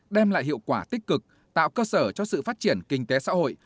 đem lại hiệu quả tích cực tạo cơ sở cho sự phát triển kinh tế xã hội